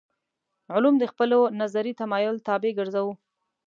علوم د خپلو نظري تمایل طابع ګرځوو.